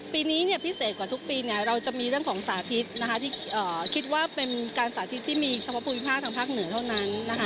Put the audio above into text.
ปีนี้พิเศษกว่าทุกปีเราจะมีเรื่องของสาธิตที่คิดว่าเป็นการสาธิตที่มีเฉพาะภูมิภาคทางภาคเหนือเท่านั้นนะคะ